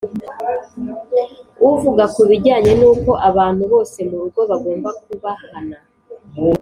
Uvuga ku bijyanye nuko abantu bose mu rugo bagomba kubahana